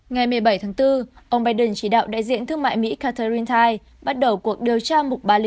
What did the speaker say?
ngày một mươi bảy tháng bốn ông biden chỉ đạo đại diện thương mại mỹ catherine tai bắt đầu cuộc điều tra mục ba trăm linh một